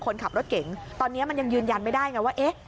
คนขับรถเก่งตอนนี้มันยังยืนยันไม่ได้ไงว่าเอ๊ะ